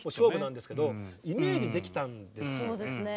そうですね。